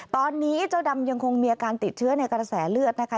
ตอนนี้เจ้าดำยังคงมีอาการติดเชื้อในกระแสเลือดนะคะ